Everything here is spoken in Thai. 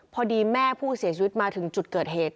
พอดีแม่ผู้เสียชีวิตมาถึงจุดเกิดเหตุ